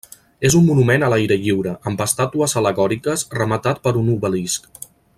És un monument a l'aire lliure, amb estàtues al·legòriques, rematat per un obelisc.